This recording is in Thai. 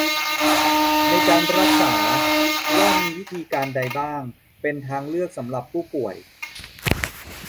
ในทางการรักษา ว่ามีวิธีการใดบ้างเป็นทางเลือกสำหรับผู้ป่วย